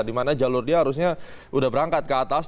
dimana jalur dia harusnya sudah berangkat ke atas